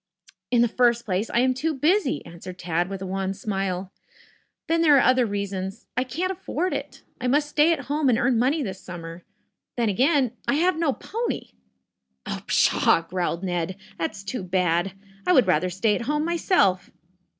"In the first place, I am too busy," answered Tad with a wan smile. "Then there are other reasons. I can't afford it. I must stay at home and earn money this summer. Then, again, I have no pony." "Oh pshaw!" growled Ned. "That's too bad. I would rather stay at home myself."